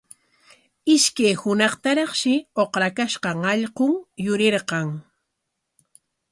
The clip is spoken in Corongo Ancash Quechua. Ishkay hunaqtaraqshi uqrakashqan allqun yurirqan.